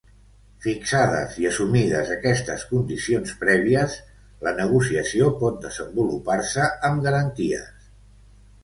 Fixades i assumides aquestes condicions prèvies, la negociació pot desenvolupar-se amb garanties